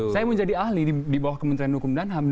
saya menjadi ahli di bawah kementerian hukum dan ham